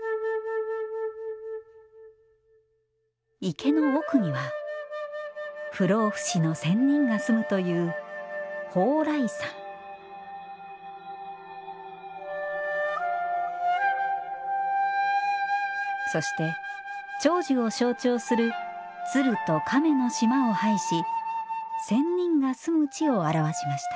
池の奥には不老不死の仙人が住むというそして長寿を象徴する鶴と亀の島を配し仙人が住む地を表しました。